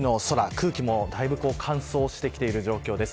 空気もだいぶ乾燥してきている状況です。